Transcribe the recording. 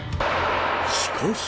しかし！